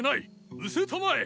失せたまえ。